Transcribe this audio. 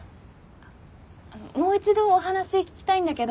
あのもう一度お話聞きたいんだけど。